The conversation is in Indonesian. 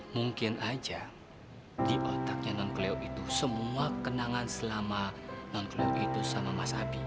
mungkin aja di otaknya non cleo itu semua kenangan selama non cleo itu sama mas abi